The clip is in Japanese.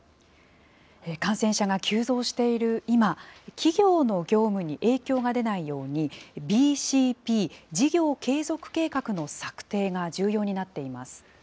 感染者が急増している今、企業の業務に影響が出ないように、ＢＣＰ・事業継続計画の策定が重要になっています。